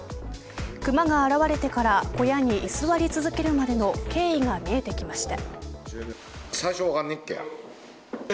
熊が現れてから小屋に居座り続けるまでの経緯が見えてきました。